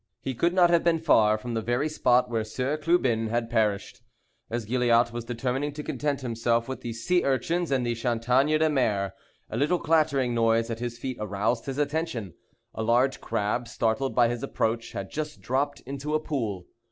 He could not have been far from the very spot where Sieur Clubin had perished. As Gilliatt was determining to content himself with the sea urchins and the chataignes de mer, a little clattering noise at his feet aroused his attention. A large crab, startled by his approach, had just dropped into a pool.